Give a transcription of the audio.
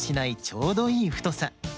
ちょうどいいふとさ。